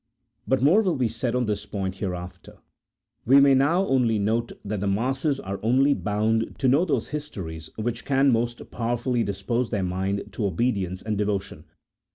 But more will be said on this point hereafter, we may now only note that the masses are only bound to know those histories which can most powerfully dispose their mind to obedience and devotion.